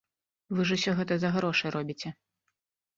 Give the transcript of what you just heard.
Вы ж усё гэта за грошы робіце.